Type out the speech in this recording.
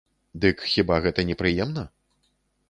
Дык хіба гэта не прыемна?